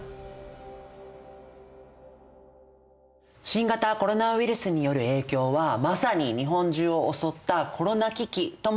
新型コロナウイルスによる影響はまさに日本中を襲った「コロナ危機」ともいえますよね。